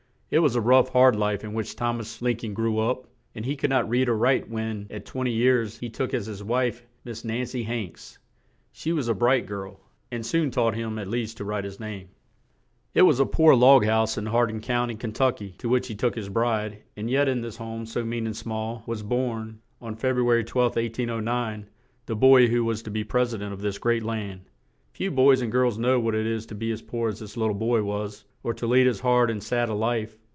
It was a rough, hard life in which Thom as Lin coln grew up; and he could not read or write when, at twen ty years, he took as his wife Miss Nan cy Hanks; she was a bright girl and soon taught him at least to write his name. [Illustration: LINCOLN'S EARLY HOME.] [Illustration: ABRAHAM LINCOLN.] It was a poor log house in Har din Coun ty, Ken tuck y, to which he took his bride; and yet in this home so mean and small, was born, on Feb ru a ry 12th, 1809, the boy who was to be pres i dent of this great land. Few boys and girls know what it is to be as poor as this lit tle boy was, or to lead as hard and sad a life.